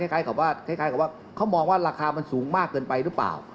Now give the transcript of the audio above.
คล้ายกับว่าเขามองว่าราคามันสูงมากเกินไปหรือเปล่า